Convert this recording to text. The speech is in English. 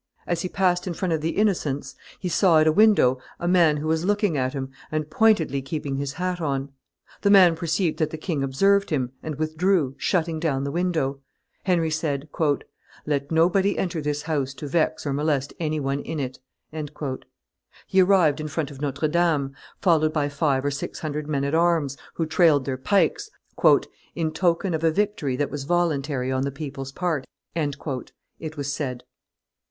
As he passed in front of the Innocents, he saw at a window a man who was looking at him, and pointedly keeping his hat on; the man perceived that the king' observed him, and withdrew, shutting down the window. Henry said, "Let nobody enter this house to vex or molest any one in it." He arrived in front of Notre Dame, followed by five or six hundred men at arms, who trailed their pikes "in token of a victory that was voluntary on the people's part," it was said.